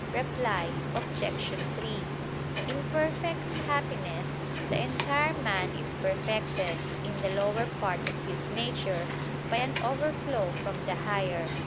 Reply Obj. 3: In perfect happiness the entire man is perfected, in the lower part of his nature, by an overflow from the higher.